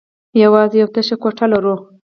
يواځې يوه تشه کوټه لرو.